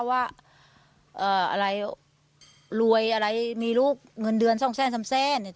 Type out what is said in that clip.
ว่าอะไรรวยอะไรมีลูกเงินเดือนส่องแซ่นสำแซ่น